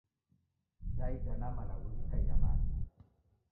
Da idana malagho ghakaia wada?